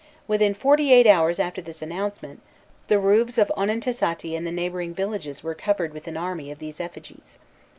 Within forty eight hours after this announcement, the roofs of Onnentisati and the neighboring villages were covered with an army of these effigies.